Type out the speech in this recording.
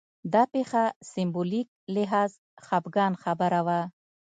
دا پېښه سېمبولیک لحاظ خپګان خبره وه